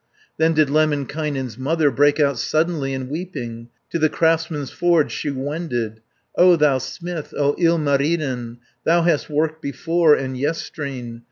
Then did Lemminkainen's mother, Break out suddenly in weeping. To the craftsman's forge she wended: "O thou smith, O Ilmarinen, Thou hast worked before, and yestreen.